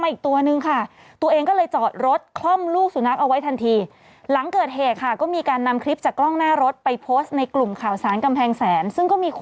มาอีกตัวนึงค่ะตัวเองก็เลยเดินรถคล่อมลูกสูนับเอาไว้ทันทีหลังก